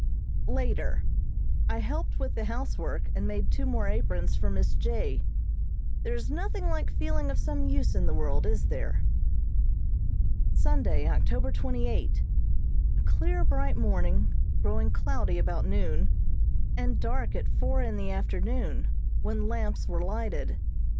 Later. I helped with the housework and made two more aprons for Miss J. There is nothing like feeling of some use in the world, is there? Sunday, October twenty eight: A clear, bright morning, growing cloudy about noon, and dark at four in the afternoon, when lamps were lighted.